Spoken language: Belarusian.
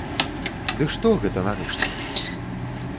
Ды што гэта, нарэшце?